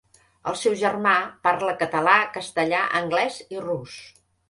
El seu germà parla català, castellà, anglès i rus.